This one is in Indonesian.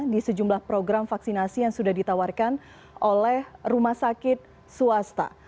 di sejumlah program vaksinasi yang sudah ditawarkan oleh rumah sakit swasta